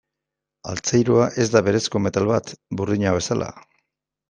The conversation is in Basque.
Altzairua ez da berezko metal bat, burdina bezala.